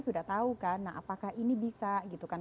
sudah tahu kan apakah ini bisa